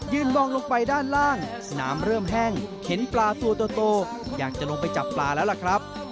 มองลงไปด้านล่างสนามเริ่มแห้งเห็นปลาตัวโตอยากจะลงไปจับปลาแล้วล่ะครับ